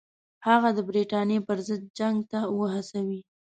هغه د برټانیې پر ضد جنګ ته وهڅوي.